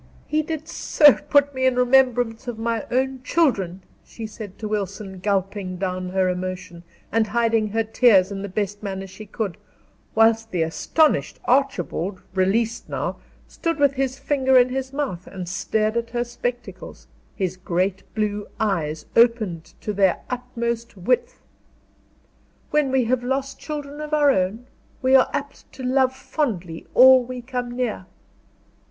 "He did so put me in remembrance of my own children," she said to Wilson, gulping down her emotion, and hiding her tears in the best manner she could; whilst the astonished Archibald, released now, stood with his finger in his mouth and stared at her spectacles, his great blue eyes opened to their utmost width. "When we have lost children of our own, we are apt to love fondly all we come near."